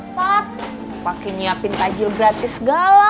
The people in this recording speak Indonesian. ntar pakai nyiapin tajil gratis segala